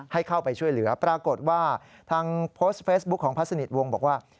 ให้เข้าไปช่วยเหลือปรากฏว่าทางโพสต์เฟซบุ๊คของพระสนิทวงศ์บอกว่า